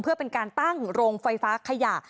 เพื่อเป็นการตั้งโรงไฟฟ้าขยะ